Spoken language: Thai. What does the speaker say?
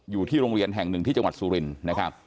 อยู่ที่โรงเรียนแห่งหนึ่งที่จังหวัดสุรินทร์นะครับ